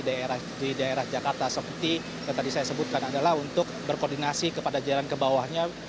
jadi di daerah jakarta seperti yang tadi saya sebutkan adalah untuk berkoordinasi kepada jajaran ke bawahnya